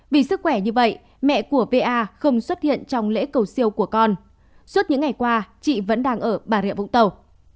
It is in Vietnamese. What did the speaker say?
vì sức khỏe như vậy mẹ của pa không xuất hiện trong lễ cầu siêu của con suốt những ngày qua chị vẫn đang ở bà rịa vũng tàu